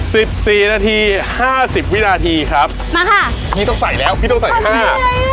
สิบสี่นาทีห้าสิบวินาทีครับมาค่ะพี่ต้องใส่แล้วพี่ต้องใส่ห้า